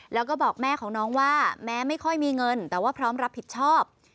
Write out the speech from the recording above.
แล้วก็บอกแม่ของน้องว่าแม้ไม่ค่อยมีเงินแต่ว่าพร้อมรับผิดชอบ